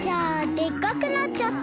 でっかくなっちゃった！